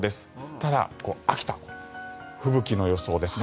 ただ、秋田は明日吹雪の予想です。